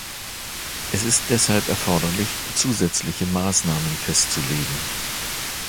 Es ist deshalb erforderlich, zusätzliche Maßnahmen festzulegen.